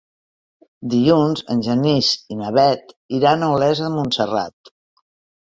Dilluns en Genís i na Bet iran a Olesa de Montserrat.